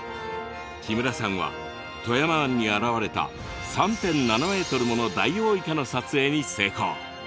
木村さんは富山湾に現れた３．７ｍものダイオウイカの撮影に成功。